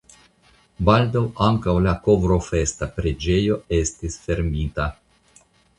Baldaŭ ankaŭ la Kovrofesta preĝejo estis fermita.